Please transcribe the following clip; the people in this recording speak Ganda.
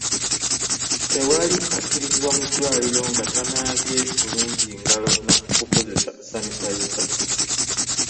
Tewali akkirizibwa mu ddwaliro nga tanaabye bulungi ngalo na kukozesa sanitayiza.